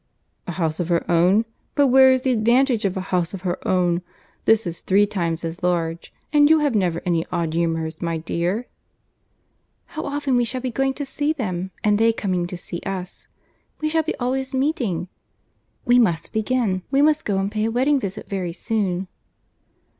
"A house of her own!—But where is the advantage of a house of her own? This is three times as large.—And you have never any odd humours, my dear." "How often we shall be going to see them, and they coming to see us!—We shall be always meeting! We must begin; we must go and pay wedding visit very soon."